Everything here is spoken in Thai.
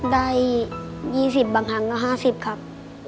ได้๒๐บางครั้งก็๕๐ครับ